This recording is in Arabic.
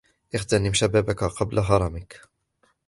إغتنم شبابك قبل هرمك